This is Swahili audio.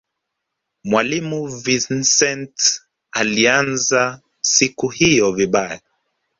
mwalimu vincent aliianza siku hiyo vibaya sana